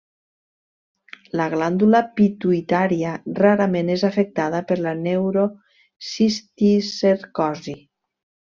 La glàndula pituïtària rarament és afectada per la neurocisticercosi.